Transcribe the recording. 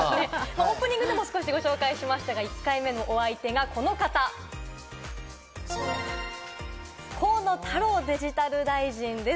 オープニングでも少しご紹介しましたが、１回目のお相手がこの方、河野太郎デジタル大臣です。